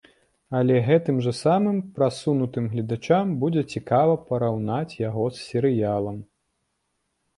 Але гэтым жа самым прасунутым гледачам будзе цікава параўнаць яго з серыялам!